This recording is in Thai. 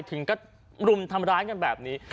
ถึงก็รุมทำร้ายกันแบบนี้